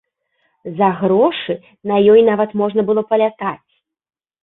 За грошы на ёй нават можна было палятаць.